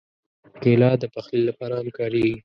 کېله د پخلي لپاره هم کارېږي.